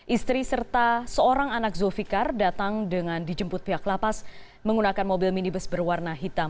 istri serta seorang anak zulfikar datang dengan dijemput pihak lapas menggunakan mobil minibus berwarna hitam